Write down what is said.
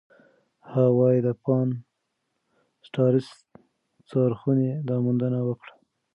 هاوايي د پان-سټارس څارخونې دا موندنه وکړه.